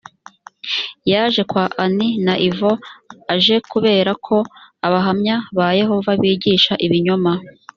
yaje kwa ani na ivo aje kubereka ko abahamya ba yehova bigisha ibinyoma